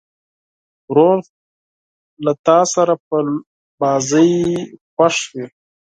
ورور له تا سره په لوبو خوښ وي.